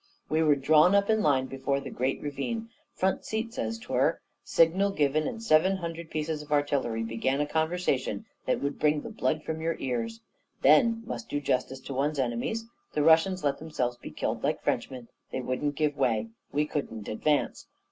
We were drawn up in line before the great ravine front seats, as 'twere. Signal given; and seven hundred pieces of artillery began a conversation that would bring the blood from your ears. Then must do justice to one's enemies the Russians let themselves be killed like Frenchmen; they wouldn't give way; we couldn't advance.